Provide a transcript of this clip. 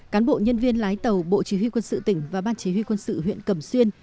cán bộ nhân viên lái tàu bộ chỉ huy quân sự tỉnh và ban chỉ huy quân sự huyện cầm xuyên